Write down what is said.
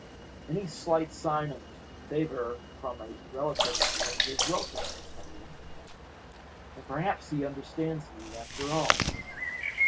"Any slight sign of favour from a relative of yours is welcome, Antonia. And perhaps he understands me, after all!